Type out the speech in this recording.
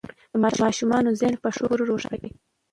د ماشومانو ذهن په ښو خبرو روښانه کړئ.